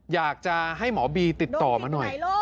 อยากจะให้หมอบีรับทูตสื่อวิญญาณมาหน่อย